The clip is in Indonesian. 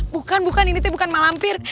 bukan bukan ini tapi bukan malampir